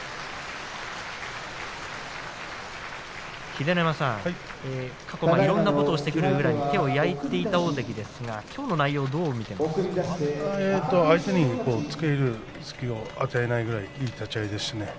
秀ノ山さん過去いろんなことをしてくる宇良に手を焼いていた貴景勝ですけれど相手に隙を与えないぐらいいい立ち合いでした。